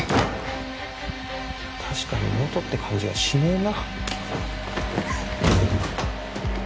確かに妹って感じがしねえな